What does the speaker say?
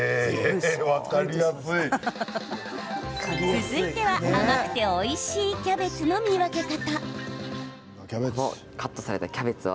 続いては、甘くておいしいキャベツの見分け方。